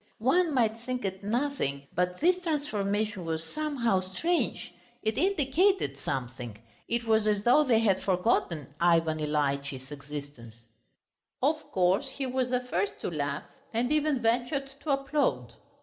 One might think it nothing, but this transformation was somehow strange; it indicated something. It was as though they had forgotten Ivan Ilyitch's existence. Of course he was the first to laugh, and even ventured to applaud.